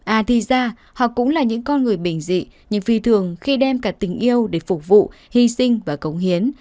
à thì ra họ cũng là những con người bình dị nhưng phi thường khi đem cả tình yêu để phục vụ hy sinh và cống hiến